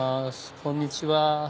こんにちは。